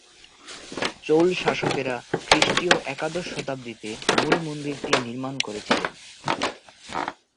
চোল শাসকেরা খ্রিস্টীয় একাদশ শতাব্দীতে মূল মন্দিরটি নির্মাণ করেছিলেন।